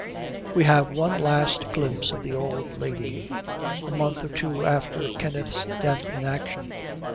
We have one last glimpse of the old lady a month or two after Kenneth's death in action.